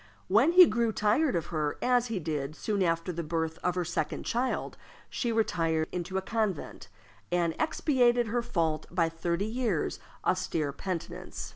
When he grew tired of her, as he did soon after the birth of her second child, she retired into a convent, and expiated her fault by thirty years' austere penitence.